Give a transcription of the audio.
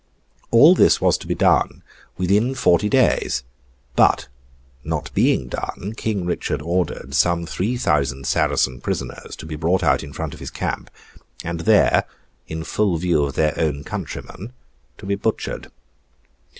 All this was to be done within forty days; but, not being done, King Richard ordered some three thousand Saracen prisoners to be brought out in the front of his camp, and there, in full view of their own countrymen, to be butchered.